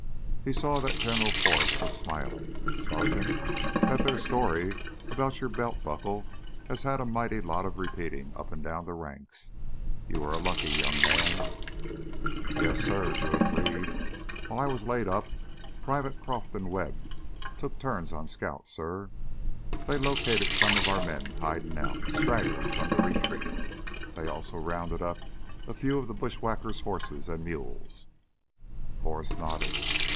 He saw that General Forrest was smiling. "Sergeant, that theah story about your belt buckle has had a mightly lot of repeatin' up and down the ranks. You were a lucky young man!" "Yes, suh!" Drew agreed. "While I was laid up, Privates Croff and Webb took turns on scout, suh. They located some of our men hidin' out stragglers from the retreat. They also rounded up a few of the bushwhackers' horses and mules." Forrest nodded.